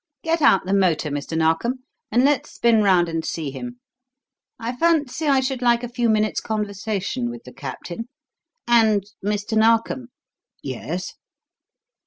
"Get out the motor, Mr. Narkom, and let's spin round and see him. I fancy I should like a few minutes' conversation with the Captain. And Mr. Narkom!" "Yes."